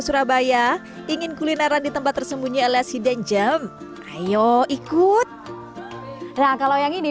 surabaya ingin kulineran di tempat tersembunyi alias hidengem ayo ikut nah kalau yang ini